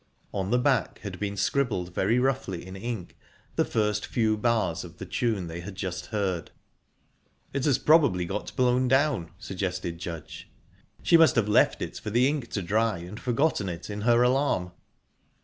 On the back had been scribbled very roughly in ink the first few bars of the tune they had just heard. "It has probably got blown down," suggested Judge. "She must have left it for the ink to dry, and forgotten it, in her alarm."